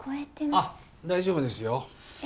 あ大丈夫ですよ。え？